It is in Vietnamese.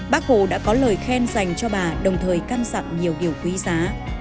bác hồ đã có lời khen dành cho bà đồng thời căn dặn nhiều điều quý giá